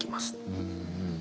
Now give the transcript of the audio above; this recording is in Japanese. うん。